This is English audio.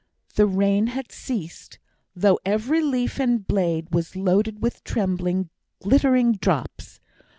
The rain had ceased, though every leaf and blade was loaded with trembling glittering drops.